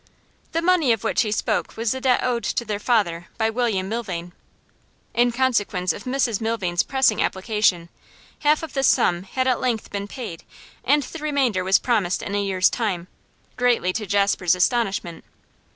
The money of which he spoke was the debt owed to their father by William Milvain. In consequence of Mrs Milvain's pressing application, half of this sum had at length been paid and the remainder was promised in a year's time, greatly to Jasper's astonishment.